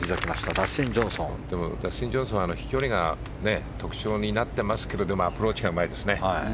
ダスティン・ジョンソンは飛距離が特徴になっていますがアプローチがうまいですね。